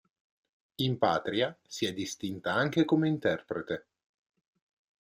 In patria, si è distinta anche come interprete.